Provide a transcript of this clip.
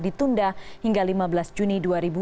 ditunda hingga lima belas juni dua ribu enam belas